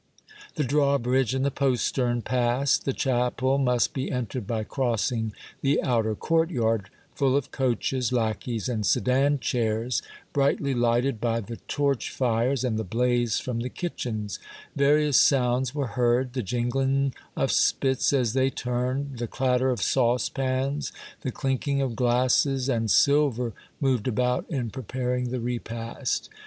The drawbridge and the postern passed, the chapel must be entered by crossing the outer courtyard, full of coaches, lackeys, and sedan chairs, brightly lighted by the torch fires and the blaze from the kitchens ; various sounds were heard, the jingling of spits as they turned, the clatter of saucepans, the clinking of glasses, and silver moved about in preparing the repast.